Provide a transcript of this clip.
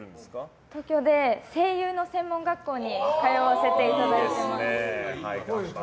声優の専門学校に行かせていただいてます。